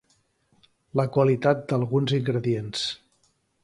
la qualitat d'alguns ingredients